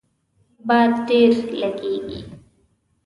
باد ډیر لږیږي